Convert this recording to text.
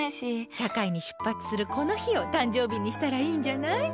社会に出発するこの日を誕生日にしたらいいんじゃない？